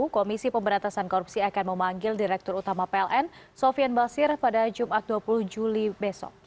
komisi pemberantasan korupsi akan memanggil direktur utama pln sofian basir pada jumat dua puluh juli besok